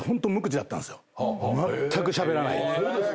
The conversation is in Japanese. まったくしゃべらない。